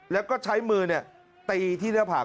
แล้วก็ใช้มือเนี่ยตีที่เนื้อผาก